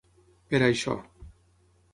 Per a això.